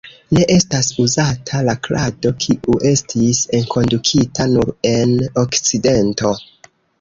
Ne estas uzata la krado, kiu estis enkondukita nur en Okcidento.